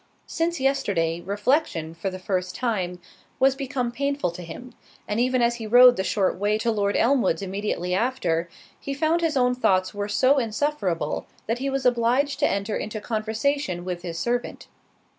Since yesterday, reflection, for the first time, was become painful to him; and even as he rode the short way to Lord Elmwood's immediately after, he found his own thoughts were so insufferable, that he was obliged to enter into conversation with his servant.